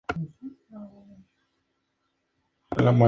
Se llamó inicialmente Alameda Grande.